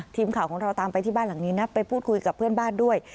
ทีมข่าวของเราตามไปที่บ้านหลังนี้นะไปพูดคุยกับเพื่อนบ้านด้วย